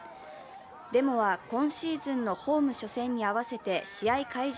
デモは今シーズンのホーム初戦に合わせて試合会場